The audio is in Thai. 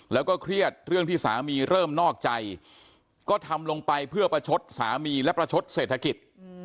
แล้วก็เครียดเรื่องที่สามีเริ่มนอกใจก็ทำลงไปเพื่อประชดสามีและประชดเศรษฐกิจ